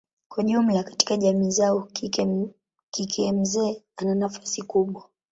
Kwa jumla katika jamii zao kike mzee ana nafasi kubwa.